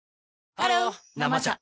ハロー「生茶」